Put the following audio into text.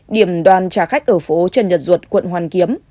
điểm đoàn trả khách ở phố trần nhật duật quận hoàn kiếm